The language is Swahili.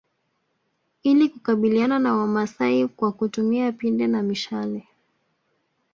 Ili kukabiliana na wamasai kwa kutumia pinde na mishale